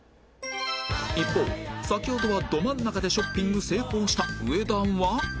一方先ほどはど真ん中でショッピング成功した上田は